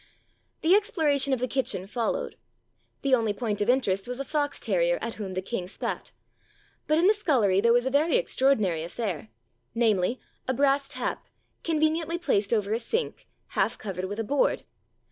The exploration of the kitchen followed ; the only point of interest was a fox terrier at whom the king 255 There Arose a King spat ; but in the scullery there was a very extra ordinary affair — namely, a brass tap, conveniently placed over a sink, half covered with a board.